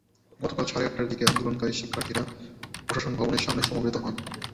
গতকাল সকাল সাড়ে আটটার দিকে আন্দোলনকারী শিক্ষার্থীরা প্রশাসন ভবনের সামনে সমবেত হন।